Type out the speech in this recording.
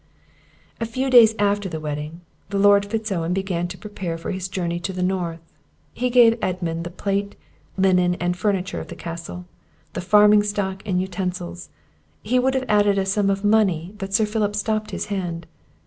A few days after the wedding, the Lord Fitz Owen began to prepare for his journey to the north. He gave to Edmund the plate, linen, and furniture of the Castle, the farming stock and utensils; he would have added a sum of money, but Sir Philip stopped his hand.